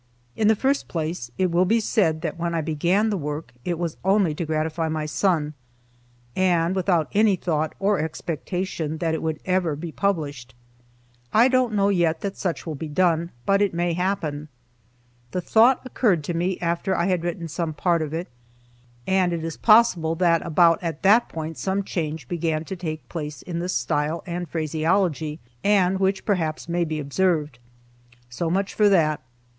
In the first place it will be said that when I began the work it was only to gratify my son, and without any thought or expectation that it would ever be published. I don't know yet that such will be done, but it may happen. The thought occurred to me after I had written some part of it, and it is possible that about at that point some change began to take place in the style, and phraseology, and which perhaps may be observed. So much for that.